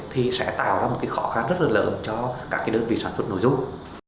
thì sẽ tạo ra một khó khăn rất lớn cho các đơn vị sản xuất nội dung